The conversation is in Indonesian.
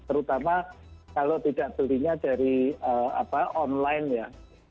terutama kalau tidak belinya dari online ya